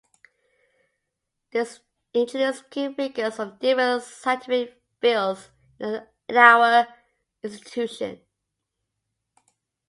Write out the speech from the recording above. This introduced key figures from different scientific fields in our institutions.